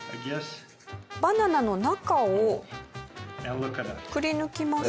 バナナの中をくりぬきます。